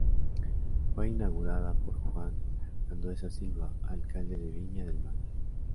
Fue inaugurado por Juan Andueza Silva, alcalde de Viña del Mar.